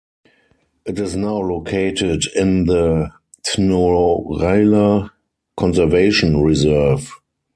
It is now located in the Tnorala Conservation Reserve.